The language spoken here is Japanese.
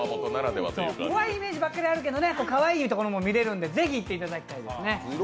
怖いイメージばっかりあるけどかわいいところも見れるのでぜひ行っていただきたいですね。